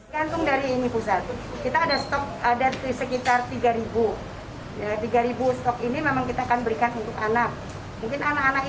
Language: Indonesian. secara bertahap mungkin nanti saya akan koordinasi